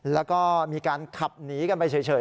แล้วก็มีการขับหนีกันไปเฉย